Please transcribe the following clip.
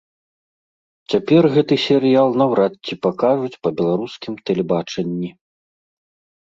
Цяпер гэты серыял наўрад ці пакажуць па беларускім тэлебачанні.